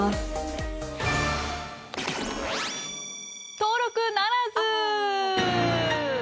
登録ならず！